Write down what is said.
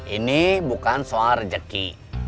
ini bukan soal rezeki